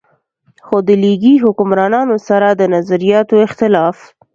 خو د ليګي حکمرانانو سره د نظرياتي اختلاف